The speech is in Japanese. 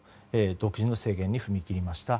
独自の制限に踏み切りました。